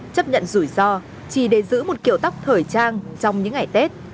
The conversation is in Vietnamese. chấp nhận rủi ro chỉ để giữ một kiểu tóc thời trang trong những ngày tết